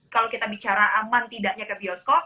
kalau kita bicara aman tidaknya ke bioskop